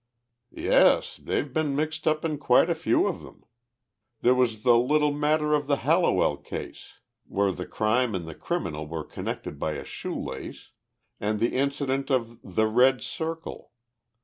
"Yes, they've been mixed up in quite a few of them. There was the little matter of the Hallowell case where the crime and the criminal were connected by a shoelace and the incident of 'The Red Circle.'